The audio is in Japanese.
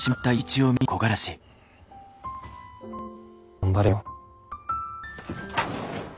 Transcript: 頑張れよ。